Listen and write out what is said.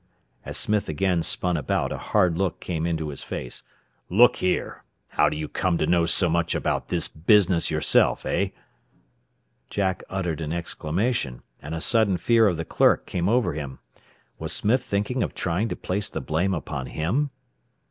As Smith again spun about a hard look came into his face. "Look here, how do you come to know so much about this business, yourself? Eh?" Jack uttered an exclamation, and a sudden fear of the clerk came over him. Was Smith thinking of trying to place the blame upon him?